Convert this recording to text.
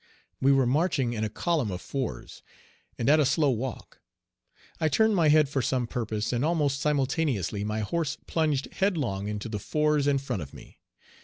We were marching in a column of fours, and at a slow walk. I turned my head for some purpose, and almost simultaneously my horse plunged headlong into the fours in front of me.